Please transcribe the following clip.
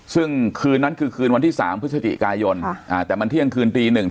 ซึ่งคืนนั้นคืนคือคืนวันที่๓พฤษฎีกายนค่ะแต่มันเที่ยงคืนตี๑ถ้านับเป็นวัน